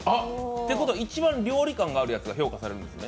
ということは、一番料理感があるやつが評価されるんですね。